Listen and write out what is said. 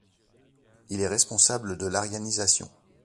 Il est responsable de l'aryanisation.